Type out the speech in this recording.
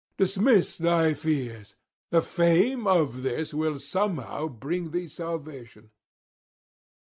Dismiss thy fears; the fame of this will somehow bring thee salvation.'